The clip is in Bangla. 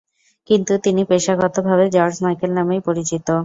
কিন্তু তিনি পেশাগতভাবে জর্জ মাইকেল নামেই পরিচিত।